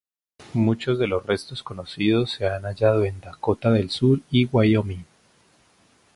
Muchos de los restos conocidos se han hallado en Dakota del Sur y Wyoming.